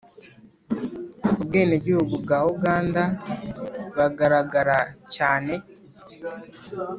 ubwenegihugu bwa uganda bagaragaraga cyane